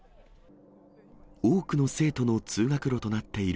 多くの生徒の通学路となっている